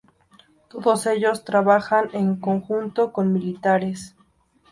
Todos ellos trabajaban en conjunto con militares.